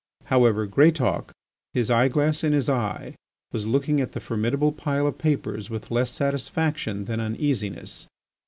However, Greatauk, his eye glass in his eye, was looking at the formidable pile of papers with less satisfaction than uneasiness.